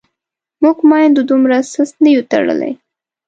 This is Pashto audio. موږ میندو دومره سست نه یو تړلي.